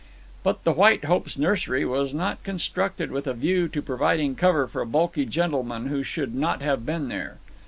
But the White Hope's nursery was not constructed with a view to providing cover for bulky gentlemen who should not have been there.